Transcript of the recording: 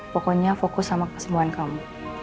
pokoknya fokus sama kesembuhan kamu